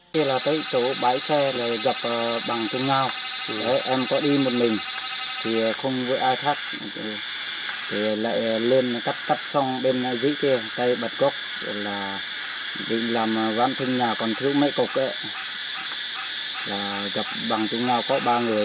theo lời khai của các đối tượng thường tổ chức thành nhóm nhỏ từ hai đến ba người